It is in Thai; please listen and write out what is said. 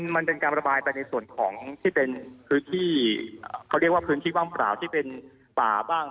มันเป็นการระบายไปในส่วนของที่เป็นพื้นที่เขาเรียกว่าพื้นที่ว่างเปล่าที่เป็นป่าบ้าง